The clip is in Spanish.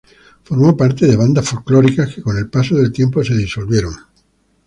Formó parte de bandas folclóricas que con el paso del tiempo se disolvieron.